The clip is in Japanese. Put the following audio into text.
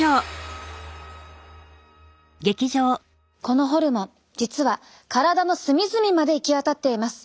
このホルモン実は体のすみずみまで行き渡っています。